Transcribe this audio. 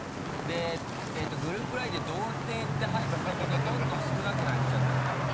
グループＬＩＮＥで「童貞」って入ってたけどどんどん少なくなっちゃってたの？